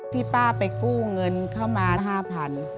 ที่ป้าไปกู้เงินเข้ามาห้าพัน